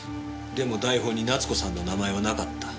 でも台本に奈津子さんの名前はなかった。